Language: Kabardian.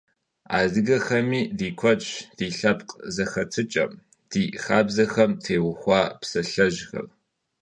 Adıgexemi di kuedş di lhepkh zexetıç'em, di xabzexem têuxua psalhejxer.